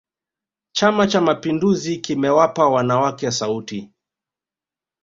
chama cha mapinduzi kimewapa wanawake sauti